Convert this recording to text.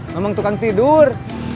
memang tukang tidur